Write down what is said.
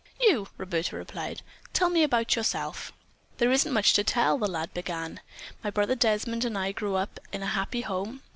"You," Roberta replied. "Tell me about yourself." "There isn't much to tell," the lad began. "My brother Desmond and I grew up in a happy home.